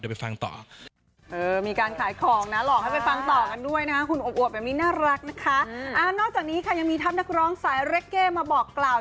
ยังมีทัพนักร้องสายเร็กเก้มาบอกกล่าว